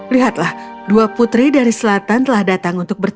lihatlah dua putri dari selatan telah datang untuk bertemu